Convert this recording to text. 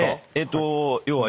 要は。